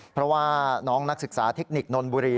เพราะว่าน้องนักศึกษาเทคนิคนนนบุรี